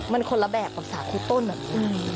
มันคนละแบบกับสาคูต้นแบบนี้